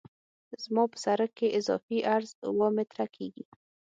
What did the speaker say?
زما په سرک کې اضافي عرض اوه متره کیږي